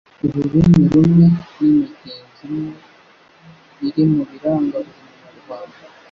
ururimi rumwe n'imigenzo imwe biri mubiranga buri munyarwanda